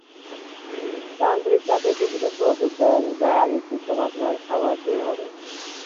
তান্ত্রিক তাকে একটি বিষাক্ত ওষুধ দেন যা নির্দিষ্ট মাত্রায় খাওয়াতে হবে।